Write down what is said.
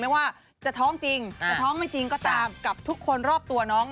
ไม่ว่าจะท้องจริงจะท้องไม่จริงก็ตามกับทุกคนรอบตัวน้อง